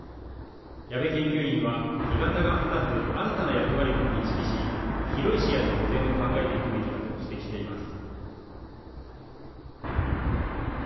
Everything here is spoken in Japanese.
矢部研究員は干潟が果たす新たな役割も認識し広い視野で保全を考えていくべきだと指摘しています。